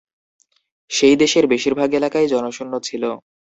সেই দেশের বেশির ভাগ এলাকাই জনশূন্য ছিল।